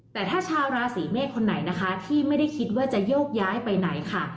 แต่ถ้าชาวราศีเมษคนไหนนะคะที่ไม่ได้คิดว่าจะโยกย้ายไปไหนค่ะ